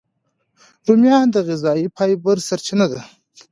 رومیان د غذایي فایبر سرچینه ده